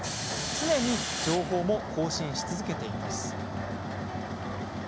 常に情報も更新し続けています。